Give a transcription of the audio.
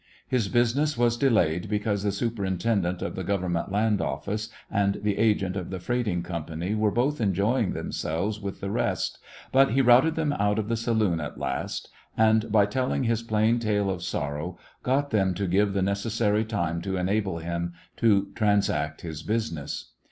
His business was de layed because the Superintendent of the Grovemment Land Office and the agent of the freighting company were both enjoying themselves with the rest, but he routed them out of the saloon at last and, by telling his plain tale of sorrow, got them to give the necessary time to enable him to tran sact his business.